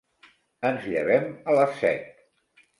Ens llevem a les set.